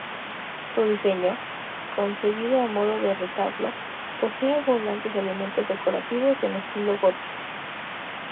Su diseño, concebido a modo de retablo, posee abundantes elementos decorativos en estilo gótico.